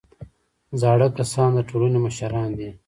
زاړه کسان د ټولنې مشران دي